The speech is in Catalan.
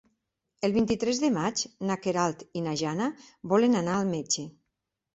El vint-i-tres de maig na Queralt i na Jana volen anar al metge.